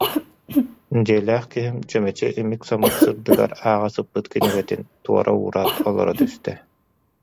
Дьиэлээх киһим чүмэчи имик-самык сырдыгар ааҕа сыппыт кинигэтин туора уураат олоро түстэ: